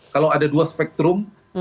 kalau ada dua spektrum